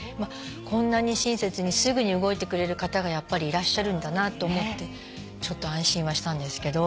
こんなに親切にすぐに動いてくれる方がやっぱりいらっしゃるんだなと思ってちょっと安心はしたんですけど。